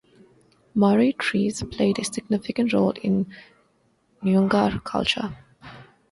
Marri trees played a significant role in Nyoongar culture.